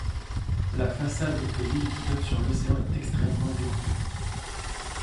La façade de l'île qui donne sur l'océan est extrêmement découpée.